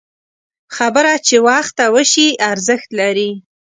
خبره چې وخته وشي، ارزښت لري